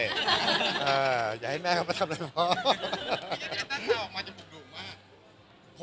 เอออย่าให้แม่เขามาทำอะไรเพราะ